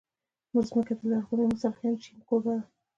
مځکه د لرغوني مصر، هند، چین کوربه ده.